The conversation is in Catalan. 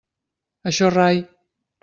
Això rai.